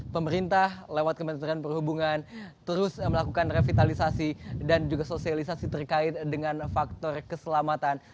pemerintah lewat kementerian perhubungan terus melakukan revitalisasi dan juga sosialisasi terkait dengan faktor keselamatan